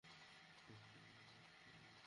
বিষয়টার গুরুত্ব বুঝছেন না।